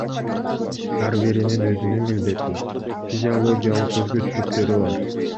Ар биринин өзүнүн милдети, физиологиялык өзгөчөлүктөрү бар.